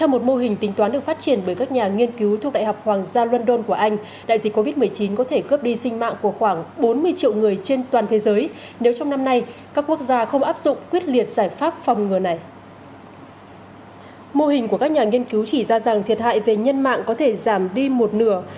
mô hình của các nhà nghiên cứu chỉ ra rằng thiệt hại về nhân mạng có thể giảm đi một nửa